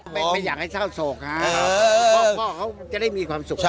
ไม่อยากให้เศร้าโศกครับพ่อเขาจะได้มีความสุข